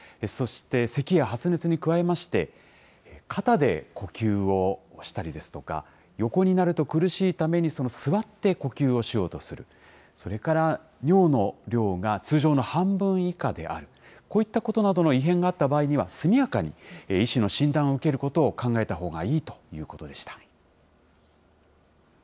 そして、せきや発熱に加えまして、肩で呼吸をしたりですとか、横になると苦しいために、座って呼吸をしようとする、それから尿の量が通常の半分以下である、こういったことなどの異変があった場合には、速やかに医師の診断を受けることを考えたほうがいいということでした。